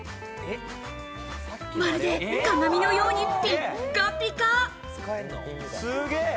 まるで鏡のようにピッカピカ！